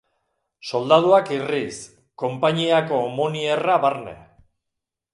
Soldaduak irriz, konpainiako omonierra barne.